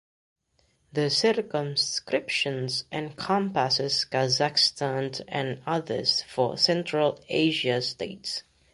The circumscription encompasses Kazakhstan and others four Central Asia states.